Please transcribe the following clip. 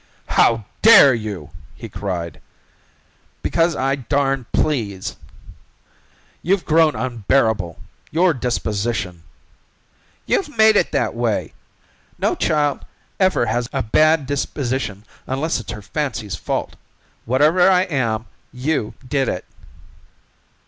"How dare you!" he cried. "Because I darn please!" "You've grown unbearable! Your disposition " "You've made me that way! No child ever has a bad disposition unless it's her fancy's fault! Whatever I am, you did it."